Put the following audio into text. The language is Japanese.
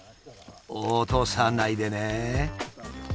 落とさないでね。